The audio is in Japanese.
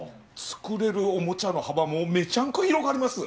作れるおもちゃの幅もメチャンコ広がります